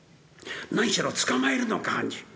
何しろ捕まえるのが肝心。